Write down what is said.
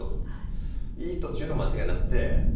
いい人っていうのは間違いなくて。